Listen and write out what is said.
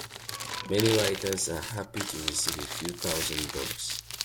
Many writers are happy to receive a few thousand dollars.